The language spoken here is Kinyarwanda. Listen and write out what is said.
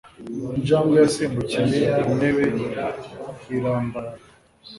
Injangwe yasimbukiye ku ntebe irambarara.